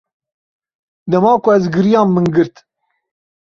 Dema ku ez giriyam min girt.